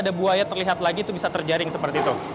ada buaya terlihat lagi itu bisa terjaring seperti itu